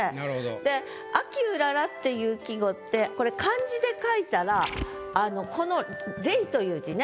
で「秋うらら」っていう季語ってこれ漢字で書いたらあのこの「麗」という字ね